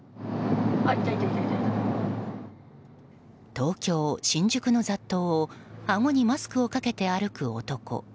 東京・新宿の雑踏をあごにマスクをかけて歩く男。